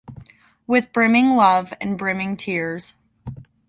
with brimming love and brimming tears